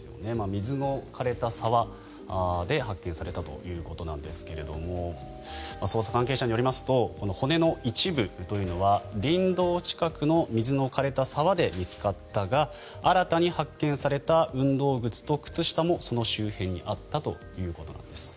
水の枯れた沢で発見されたということなんですが捜査関係者によりますとこの骨の一部というのは林道近くの水の枯れた沢で見つかったが新たに発見された運動靴と靴下もその周辺にあったということなんです。